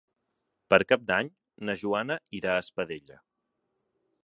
Per Cap d'Any na Joana irà a Espadella.